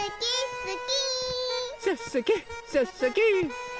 すき！